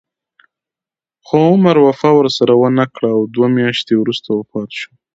خو عمر وفا ورسره ونه کړه او دوه میاشتې وروسته وفات شو.